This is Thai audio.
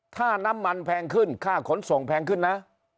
ถ้าน้ำมันแพงขึ้นค่าขนส่งแพงขึ้นนะ